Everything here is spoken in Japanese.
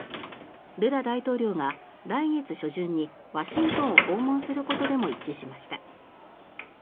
ルラ大統領が来月初旬にワシントンを訪問することでも一致しました。